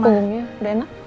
punggungnya udah enak